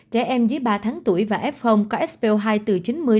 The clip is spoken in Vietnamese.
trẻ em dưới ba tháng tuổi và f có spo hai từ chín mươi chín mươi sáu